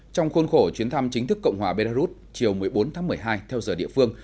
trong khuôn khổ chuyến thăm chính thức cộng hòa belarus chiều một mươi bốn tháng một mươi hai theo giờ địa phương